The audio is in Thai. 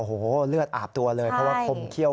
โอ้โหเลือดอาบตัวเลย